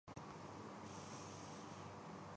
یہ حکومت کی ناکامی جو انکے اتنے منہ کھل گئے ہیں